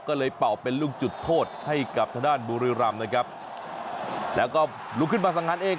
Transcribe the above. ก็เลยเป่าเป็นลูกจุดโทษให้กับทางด้านบุรีรำนะครับแล้วก็ลุกขึ้นมาสังหารเอง